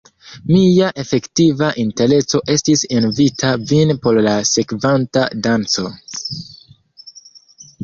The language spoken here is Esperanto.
Mia efektiva intenco estis inviti vin por la sekvanta danco.